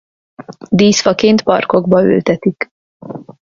Díszfaként parkokba ültetik.